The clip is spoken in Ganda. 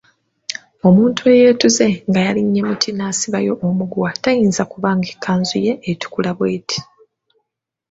Omuntu eyeetuze nga yalinnye muti n'asibayo omuguwa tayinza kuba nga ekkanzu ye etukula bweti.